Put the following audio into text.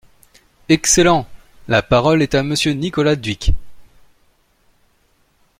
Excellent ! La parole est à Monsieur Nicolas Dhuicq.